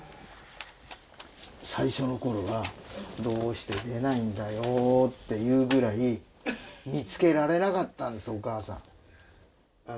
最初の頃はどうして出ないんだよっていうぐらい見つけられなかったんですお母さん。